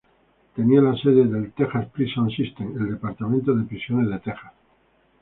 Tenía la sede del "Texas Prison System", el departamento de prisiones de Texas.